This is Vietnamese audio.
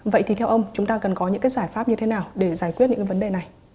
vậy thì theo ông chúng ta cần có những cái giải pháp như thế nào để giải quyết những cái vấn đề này